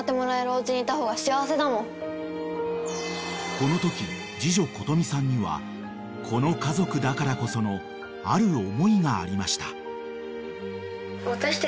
［このとき次女ことみさんにはこの家族だからこそのある思いがありました］